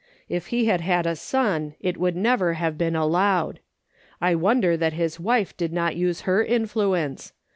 If he had had a son it would never have been allowed. I wonder that his wife did not use her influence.